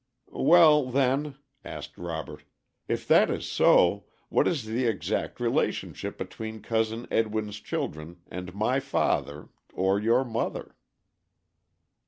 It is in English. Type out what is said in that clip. "Well then," asked Robert, "if that is so, what is the exact relationship between Cousin Edwin's children and my father or your mother?"